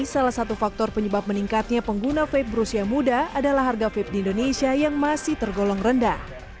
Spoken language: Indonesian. salah satu faktor penyebab meningkatnya pengguna vape berusia muda adalah harga vape di indonesia yang masih tergolong rendah